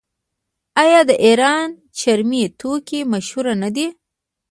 آیا د ایران چرمي توکي مشهور نه دي؟